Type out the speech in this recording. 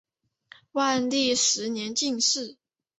万历十年进士。